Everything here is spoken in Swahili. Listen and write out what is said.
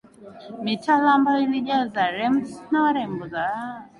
mitala ambayo ilijaza harems na warembo wa